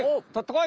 こい！